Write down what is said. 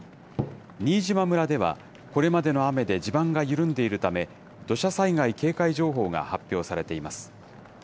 新島村ではこれまでの雨で地盤が緩んでいるため、土砂災害警戒情報が発表されています。